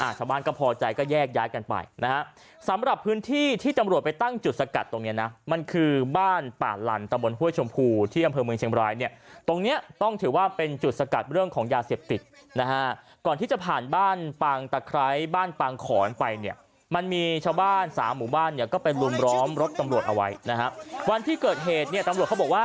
ชาวบ้านก็พอใจก็แยกย้ายกันไปนะฮะสำหรับพื้นที่ที่ตำรวจไปตั้งจุดสกัดตรงนี้นะมันคือบ้านป่าหลั่นตะบนห้วยชมพูที่อำเภอเมืองชิงบรายเนี่ยตรงนี้ต้องถือว่าเป็นจุดสกัดเรื่องของยาเสพติดนะฮะก่อนที่จะผ่านบ้านปางตะไคร้บ้านปางขอนไปเนี่ยมันมีชาวบ้านสามหมู่บ้านเนี่ยก็ไปลุมล้อมรถตำรว